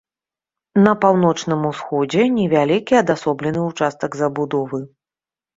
На паўночным усходзе невялікі адасоблены ўчастак забудовы.